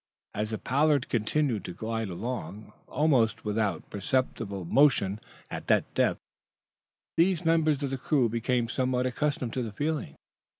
As the "Pollard" continued to glide along, almost without perceptible motion at that depth, these members of the crew became somewhat accustomed to the feeling.